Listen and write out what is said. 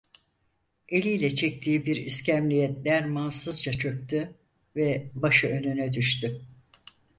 Eliyle çektiği bir iskemleye dermansızca çöktü ve başı önüne düştü.